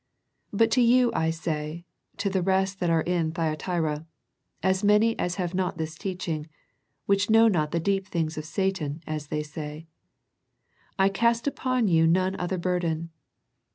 But to you I say, to the rest that are in Thyatira, as many as have not this teaching, which know not the deep things of Satan, as they say; I cast upon you none other burden.